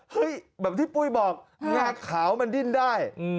แบบที่ปุ้ยบอกงาขาวมันดิ้นได้